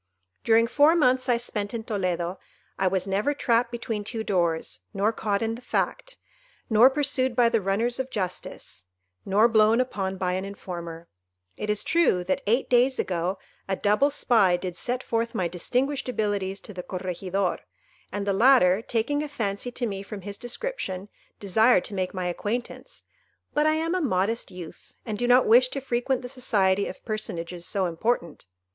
"During four months I spent in Toledo, I was never trapped between two doors, nor caught in the fact, nor pursued by the runners of justice, nor blown upon by an informer. It is true that, eight days ago, a double spy did set forth my distinguished abilities to the Corregidor, and the latter, taking a fancy to me from his description, desired to make my acquaintance; but I am a modest youth, and do not wish to frequent the society of personages so important.